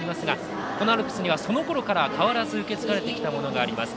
このアルプスにはそのころから変わらず受け継がれたものがあります。